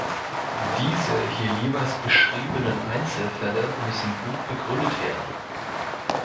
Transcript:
Diese hier jeweils beschriebenen Einzelfälle müssen gut begründet werden.